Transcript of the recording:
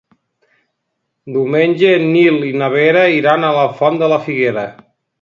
Diumenge en Nil i na Vera iran a la Font de la Figuera.